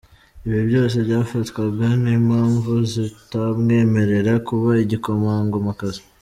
Ibi byose byafatwaga nk’impamvu zitamwemerera kuba igikomangomakazi.